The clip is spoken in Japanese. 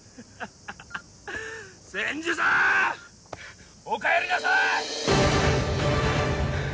千住さん！お帰りなさい！